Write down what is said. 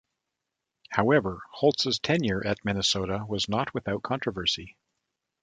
However, Holtz's tenure at Minnesota was not without controversy.